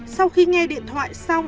sau khi nghe điện thoại